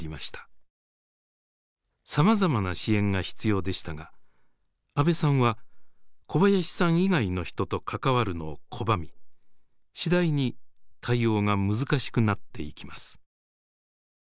さまざまな支援が必要でしたが阿部さんは小林さん以外の人と関わるのを拒み次第に対応が難しくなっていきます。